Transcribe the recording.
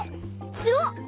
すごっ！